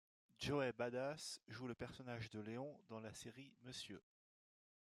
Joey Badass joue le personnage de Leon dans la série Mr.